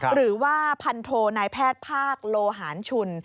หรือว่าพันโทนายแพทย์ภาคโลหารชุน